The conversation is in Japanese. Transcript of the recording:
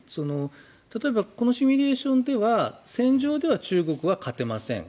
例えばこのシミュレーションでは戦場では中国は勝てません